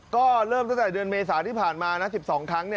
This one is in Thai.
ก็เริ่มตั้งแต่เดือนเมษาที่ผ่านมานะ๑๒ครั้ง